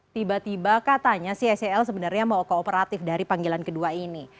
tiba tiba katanya si sel sebenarnya mau kooperatif dari panggilan kedua ini